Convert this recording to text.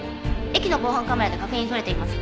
駅の防犯カメラで確認取れています。